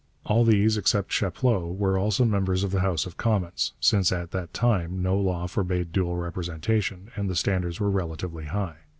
All these except Chapleau were also members of the House of Commons, since at that time no law forbade dual representation, and the standards were relatively high.